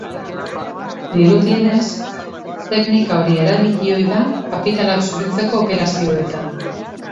Dirudienez, teknika hori erabili ohi da kapitalak zuritzeko operazioetan.